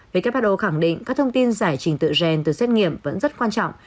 who khẳng định các thông tin giải trình tự gen từ xét nghiệm vẫn rất quan trọng